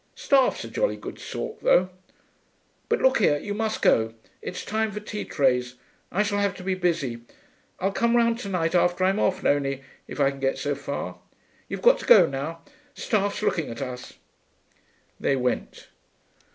Staff's a jolly good sort, though.... But look here, you must go. It's time for tea trays; I shall have to be busy. I'll come round to night after I'm off, Nonie if I can get so far. You've got to go now; Staff's looking at us.' They went.